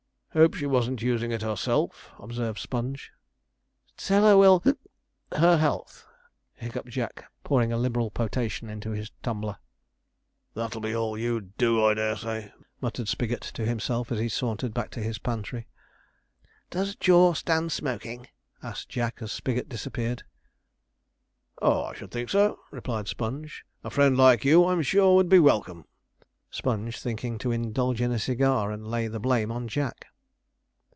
'Hope she wasn't using it herself,' observed Sponge. 'Tell her we'll her health,' hiccuped Jack, pouring a liberal potation into his tumbler. 'That'll be all you'll do, I dare say,' muttered Spigot to himself, as he sauntered back to his pantry. 'Does Jaw stand smoking?' asked Jack, as Spigot disappeared. 'Oh, I should think so,' replied Sponge; 'a friend like you, I'm sure, would be welcome' Sponge thinking to indulge in a cigar, and lay the blame on Jack.